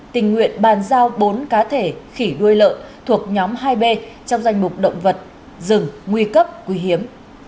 tình nguyện bàn giao bốn cá thể khỉ đuôi lợn thuộc nhóm hai b trong danh mục động vật rừng nguy cấp quý hiếm